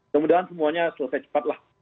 semudahnya semuanya selesai cepat lah